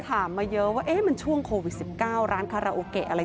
มาเยอะว่ามันช่วงโควิด๑๙ร้านคาราโอเกะอะไร